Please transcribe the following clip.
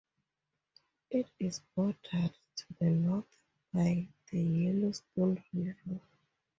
It is bordered to the north by the Yellowstone River.